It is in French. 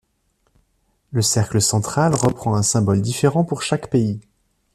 Le cercle central reprend un symbole différent pour chaque pays.